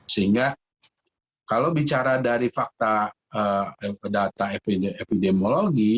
sehingga kalau bicara dari fakta data epidemiologi